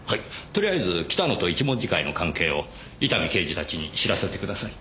とりあえず北野と一文字会の関係を伊丹刑事たちに知らせてください。